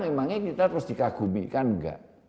memangnya kita terus dikagumikan enggak